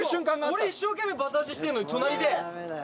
俺一生懸命バタ足してんのに隣でにょん。